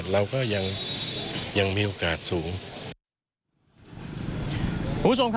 เราก็ยังมีโอกาสสูง